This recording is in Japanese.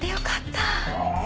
あ。